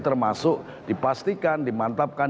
termasuk dipastikan dimantapkan